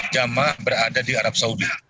jemaah berada di arab saudi